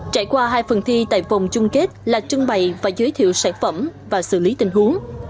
trải qua hai phần thi tại vòng chung kết là trưng bày và giới thiệu sản phẩm và xử lý tình huống